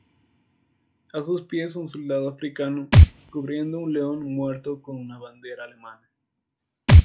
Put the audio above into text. A sus pies, un soldado africano cubriendo un león muerto con una bandera alemana.